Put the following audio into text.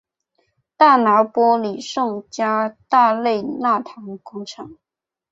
大拿坡里圣加大肋纳堂广场。